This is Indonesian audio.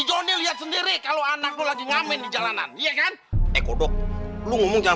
johnny lihat sendiri kalau anak lo lagi ngamen di jalanan iya kan eh kodok lo ngomong jangan